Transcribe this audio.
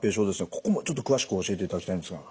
ここもちょっと詳しく教えていただきたいんですが。